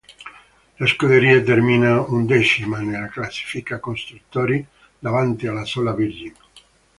La scuderia termina undicesima nella classifica costruttori, davanti alla sola Virgin.